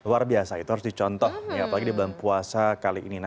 luar biasa itu harus dicontoh apalagi di bulan puasa kali ini